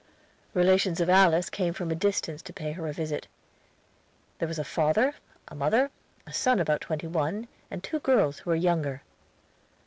Relations of Alice came from a distance to pay her a visit. There was a father, a mother, a son about twenty one, and two girls who were younger.